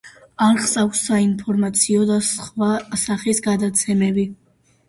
არხს აქვს საინფორმაციო და სხვა სახის გადაცემები.